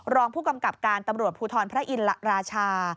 รองผู้กำกับการตำรวจภูทรพระอินราชา